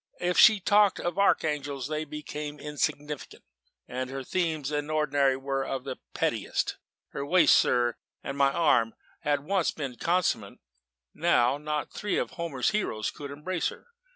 If she talked of archangels, they became insignificant and her themes, in ordinary, were of the pettiest. Her waist, sir, and my arm had once been commensurate: now not three of Homer's heroes could embrace her.